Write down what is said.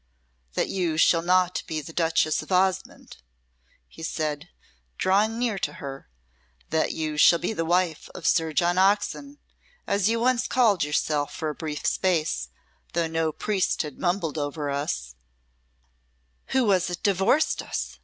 "That you shall not be the Duchess of Osmonde," he said, drawing near to her; "that you shall be the wife of Sir John Oxon, as you once called yourself for a brief space, though no priest had mumbled over us " "Who was't divorced us?"